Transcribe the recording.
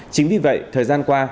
chính vì vậy thời gian qua